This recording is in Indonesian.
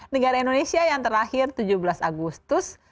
negara indonesia yang terakhir tujuh belas agustus dua ribu sembilan belas